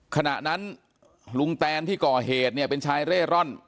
ขณะนั้นลุงแตนที่ก่อเหตุเนี่ยเป็นชายเร่ร่อน